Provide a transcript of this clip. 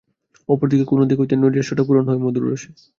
অপর কোনো দিক থেকে নৈরাশ্যটা পূরণ হয় মধুর রসে।